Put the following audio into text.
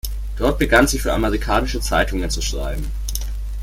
Dort begann sie für amerikanische Zeitungen zu schreiben.